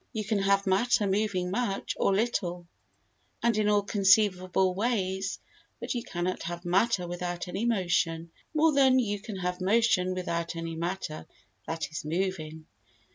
You can have matter moving much, or little, and in all conceivable ways; but you cannot have matter without any motion more than you can have motion without any matter that is moving.